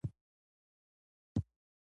هغه هغې ته د تاوده محبت ګلان ډالۍ هم کړل.